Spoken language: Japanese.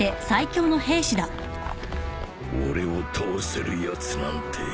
俺を倒せるやつなんて